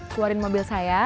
keluarin mobil saya